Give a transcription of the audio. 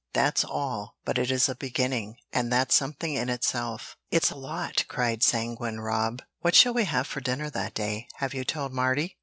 That's all, but it is a beginning, and that's something in itself." "It's a lot!" cried sanguine Rob. "What shall we have for dinner that day? Have you told Mardy?"